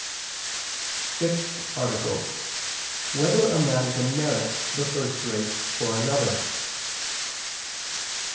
114, Art. 6] Whether a Man Can Merit the First Grace for Another?